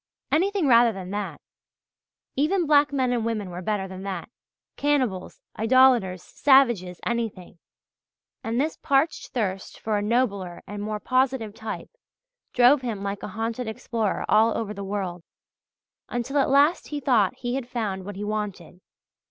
Anything rather than that! Even black men and women were better than that cannibals, idolators, savages, anything! And this parched thirst for a nobler and more positive type drove him like a haunted explorer all over the world, until at last he thought he had found what he wanted.